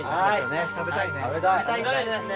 食べたいね。